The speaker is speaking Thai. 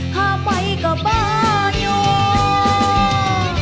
ฮับไว้กับบ้านเยอะ